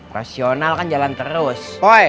rasional kan jalan terus